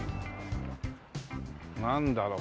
なんだろう？